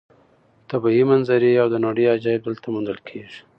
طبیعي منظرې او د نړۍ عجایب دلته موندل کېږي.